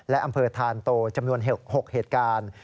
และอำเภอธานโตจำนวน๖เหตุการณ์